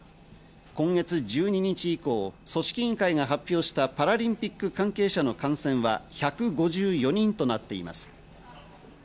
今月１２日以降、組織委員会が発表したパラリンピック関係者の感染は１５４人となっています。